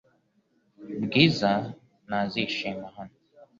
Bwiza ntazishima hano .